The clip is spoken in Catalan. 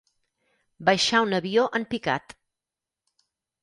Baixar un avió en picat.